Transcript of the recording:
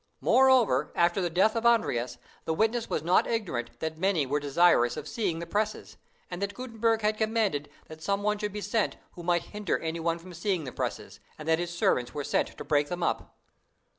Moreover, after the death of Andreas, the witness was not ignorant that many were desirous of seeing the presses, and that Gutenberg had commanded that some one should be sent who might hinder any one from seeing the presses, and that his servants were sent to break them up.